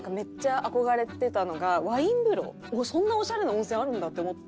そんなオシャレな温泉あるんだって思って。